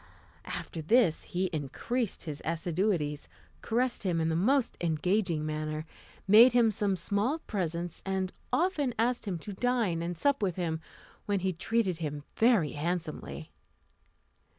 After this he increased his assiduities, caressed him in the most engaging manner, made him some small presents, and often asked him to dine and sup with him, when he treated him very handsomely.